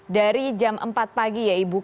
dari jam empat pagi ya ibu